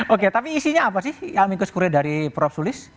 oke tapi isinya apa sih amikus kurie dari prof solis